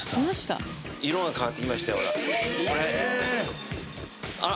色が変わってきましたよほらあっ！